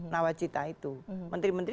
nawacita itu menteri menteri